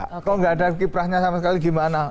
kalau tidak ada kiprahnya sama sekali bagaimana